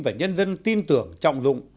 và nhân dân tin tưởng trọng dụng